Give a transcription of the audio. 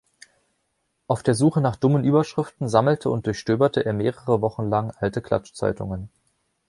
Auf der Suche nach dummen Überschriften sammelte und durchstöberte er mehrere Wochen lang alte Klatschzeitungen.